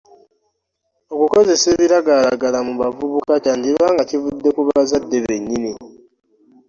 Okukozesa ebiragalalagala mu bavubuka kyandiba nga kivudde ku bazadde bennyini.